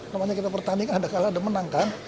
namanya kita pertanding kan ada kalah ada menang kan